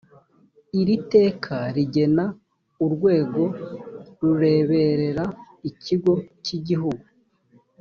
iri teka rigena urwego rureberera ikigo cy igihugu